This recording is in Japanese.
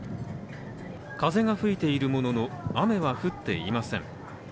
風が吹いているものの雨は降っていません。